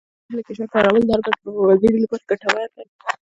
د بانکي اپلیکیشن کارول د هر وګړي لپاره ګټور دي.